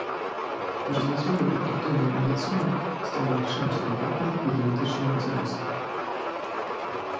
З развіццём рэпрадуктыўнай медыцыны стала магчыма сурагатнае і генетычнае мацярынства.